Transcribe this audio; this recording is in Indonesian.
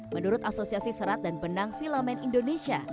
menurut asosiasi serat dan benang filamen indonesia